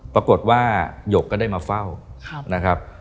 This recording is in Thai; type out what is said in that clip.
ปรากฏว่าหยกก็ได้มาเฝ้านะครับ